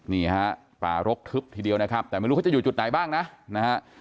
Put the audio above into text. นี่ฮะป่ารกทึบทีเดียวนะครับแต่ไม่รู้เขาจะอยู่จุดไหนบ้างนะนะฮะ